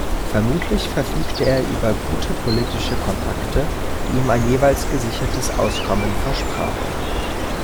Vermutlich verfügte er über gute politische Kontakte, die ihm ein jeweils gesichertes Auskommen versprachen.